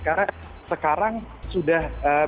karena sekarang sudah berubah